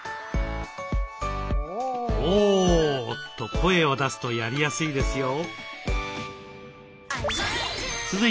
「オー」と声を出すとやりやすいですよ。